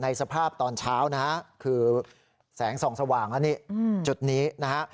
ในสภาพตอนเช้าคือแสงส่องสว่างจุดนี้นะฮะ